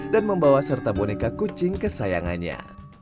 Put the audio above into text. dan membawa serta boneka kucing kesayangannya